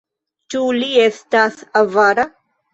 Ĉu li estas avara?